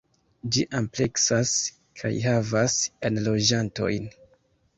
Ĝi ampleksas kaj havas enloĝantojn.